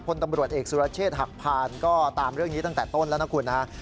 พลตำรวจเอกสุรเชษฐ์หักพานก็ตามเรื่องนี้ตั้งแต่ต้นแล้วนะคุณฮะ